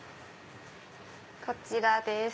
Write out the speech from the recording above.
こちらです。